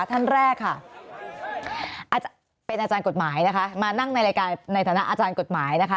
ท่านแรกค่ะอาจารย์เป็นอาจารย์กฎหมายนะคะมานั่งในรายการในฐานะอาจารย์กฎหมายนะคะ